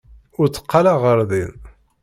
Ur tteqqaleɣ ɣer din.